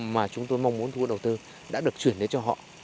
mà chúng tôi mong muốn thu hút đầu tư đã được chuyển đến cho họ